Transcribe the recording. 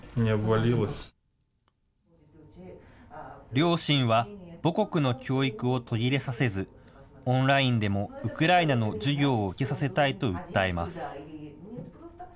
両親は母国の教育を途切れさせず、オンラインでもウクライナの授業を受けさせたいと訴えます。